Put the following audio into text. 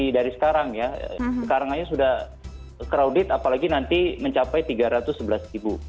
jadi dari sekarang ya sekarang aja sudah crowded apalagi nanti mencapai tiga ratus sebelas ribu